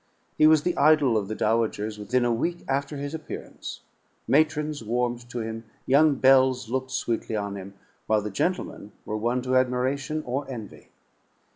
He was the idol of the dowagers within a week after his appearance; matrons warmed to him; young belles looked sweetly on him, while the gentlemen were won to admiration or envy.